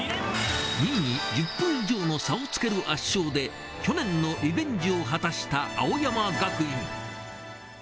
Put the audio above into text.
２位に１０分以上の差をつける圧勝で、去年のリベンジを果たした青山学院。